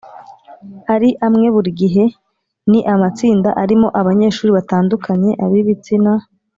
ari amwe buri gihe. Ni amatsinda arimo abanyeshuri batandukanye; ab’ibitsina